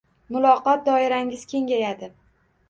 Muloqot doirangiz kengayadi